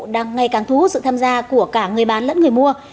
đang ngày càng thu hút sự tham gia của cả người bán lẫn người mua